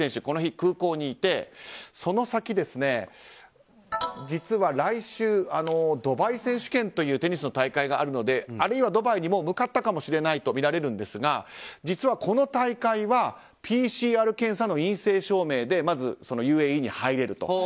この日、空港にいてその先、実は来週ドバイ選手権というテニスの大会があるのであるいは、ドバイにもう向かったかもしれないとみられるんですが実はこの大会はＰＣＲ検査の陰性証明でまずＵＡＥに入れると。